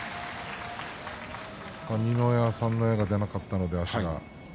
二の矢、三の矢が出なかった出足が。